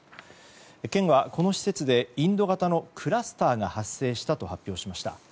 県はこの施設でインド型のクラスターが発生したと発表しました。